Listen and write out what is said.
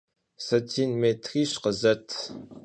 Satin mêtriş khızet.